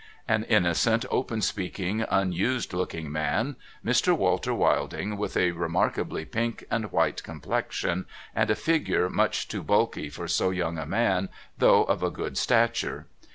An innocent, open speaking, unused looking man, Mr. Walter Wilding, with a remarkably pink and white complexion, and a figure much too bulky for so young a man, though of a good stature.